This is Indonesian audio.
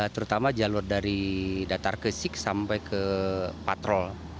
terutama jalur dari datar ke sik sampai ke patrol